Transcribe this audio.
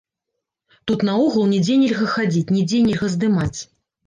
Тут наогул нідзе нельга хадзіць, нідзе нельга здымаць.